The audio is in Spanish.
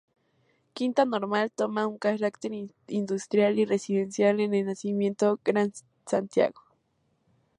Quinta Normal toma un carácter industrial y residencial en el naciente Gran Santiago.